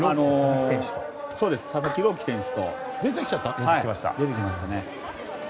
佐々木朗希選手と出てきましたね。